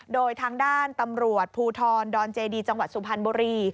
โดยทางด้านตำรวจภูทรดอนเจดีจังหวัดสุพรรณบุรี